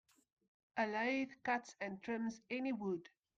A lathe cuts and trims any wood.